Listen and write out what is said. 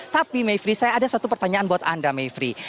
tapi mayfrey saya ada satu pertanyaan buat anda mayfrey